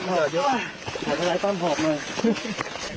ก็จากนั้นเองไม่ก็จะยิ่งใบนอนุดหัว